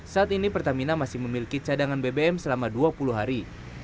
saat ini pertamina masih memiliki cadangan bbm selama dua puluh hari